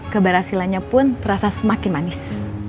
keberhasilannya pun terasa semakin manis